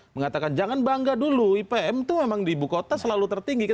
mengatakan jangan bangga dulu ipm itu memang di ibu kota selalu tertinggi